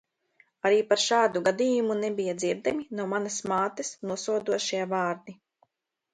Arī par šādu gadījumu, nebija dzirdami no manas mātes, nosodošie vārdi.